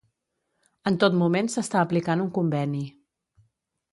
En tot moment s'està aplicant un conveni.